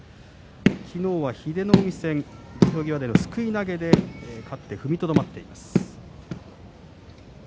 昨日は、英乃海戦土俵際でのすくい投げで勝って踏みとどまっています。